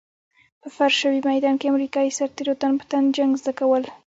په فرش شوي ميدان کې امريکايي سرتېرو تن په تن جنګ زده کول.